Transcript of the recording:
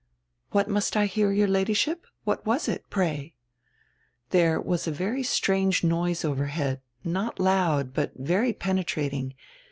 "What must I hear, your Ladyship? What was it, pray?" "There was a very strange noise overhead, not loud, but very penetrating.